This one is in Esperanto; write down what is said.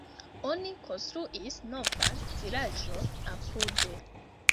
Oni konstruis novan vilaĝon apude.